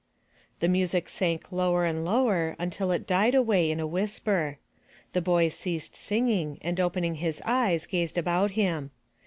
The music sank lower and lower, until it died away in a whisper. The boy ceased singing and opening his eyes gazed about him.